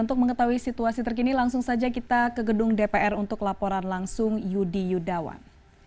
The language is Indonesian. untuk mengetahui situasi terkini langsung saja kita ke gedung dpr untuk laporan langsung yudi yudawan